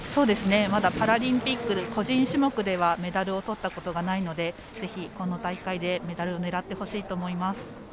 パラリンピック個人種目でメダルをとったことがないのでぜひこの大会でメダルを狙ってほしいと思います。